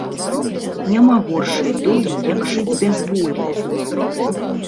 Няма горшай долі, як жыць без волі